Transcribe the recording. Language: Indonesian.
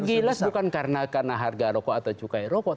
gila bukan karena harga rokok atau cukai rokok